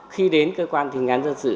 khi đến cơ quan thi hành án dân sự